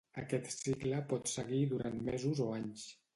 Aquest cicle pot seguir durant mesos o anys.